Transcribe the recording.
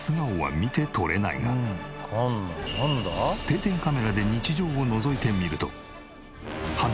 定点カメラで日常をのぞいてみると。